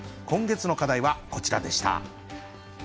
今月の課題はこちらでした。